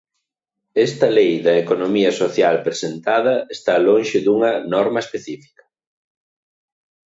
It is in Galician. Esta Lei da economía social presentada está lonxe dunha norma específica.